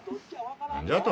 何じゃと？